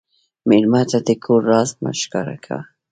مېلمه ته د کور راز مه ښکاره کوه.